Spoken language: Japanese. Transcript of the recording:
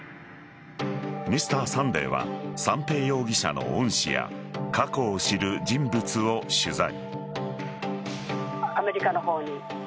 「Ｍｒ．サンデー」は三瓶容疑者の恩師や過去を知る人物を取材。